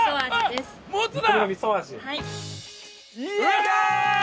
やったー！